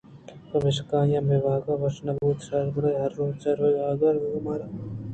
پمشکا آ مئے آہگءَ وش نہ بوت اَنت بلئے ہرروچ ءِ روگ ءُآہگءَ آواں مارا اوپار کُت اَنت